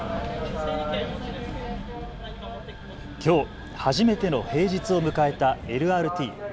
きょう初めての平日を迎えたＬＲＴ。